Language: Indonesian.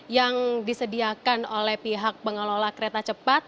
yang disediakan oleh pihak pengelola kereta cepat